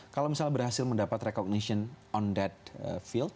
kalau misalnya berhasil mendapat recognition on that field